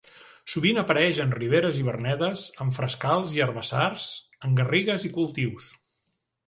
Sovint apareix en riberes i vernedes, en frescals i herbassars, en garrigues i cultius.